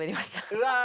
うわ